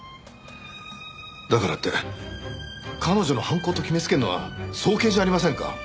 だからって彼女の犯行と決めつけるのは早計じゃありませんか？